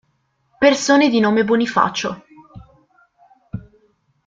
Persone di nome Bonifacio